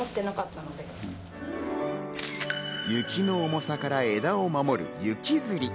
雪の重さから枝を守る雪吊り。